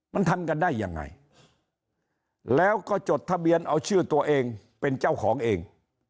มันทำกันได้ยังไงแล้วก็จดทะเบียนเอาชื่อตัวเองเป็นเจ้าของเอง